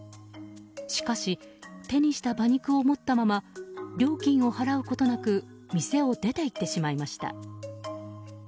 しかし手にした馬肉を持ったまま料金を払うことなく店を出て行ってしまいました。